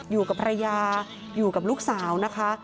อยู่กับภรรยาอยู่กับลูกสาวนะคะ